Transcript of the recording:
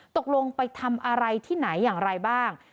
ตกลงไปทำอะไรที่ไหนอย่างไรบ้าง